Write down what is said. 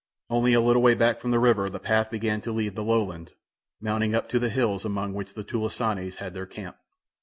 Only a little way back from the river the path began to leave the low land, mounting up to the hills among which the "tulisanes" had their camp.